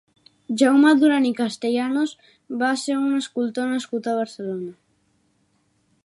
Jaume Duran i Castellanos va ser un escultor nascut a Barcelona.